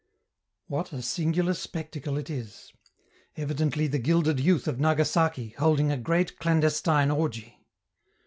What a singular spectacle it is; evidently the gilded youth of Nagasaki holding a great clandestine orgy!